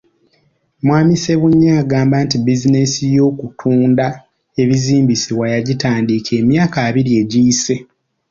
Mwami Ssebunya agamba nti bizinensi y’okutunda ebizimbisibwa yagitandika emyaka abiri egiyise.